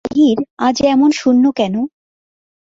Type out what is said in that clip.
সেই বাহির আজ এমন শূন্য কেন?